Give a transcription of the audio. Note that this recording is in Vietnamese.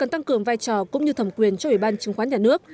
tăng cường vai trò cũng như thẩm quyền cho ubnd chứng khoán nhà nước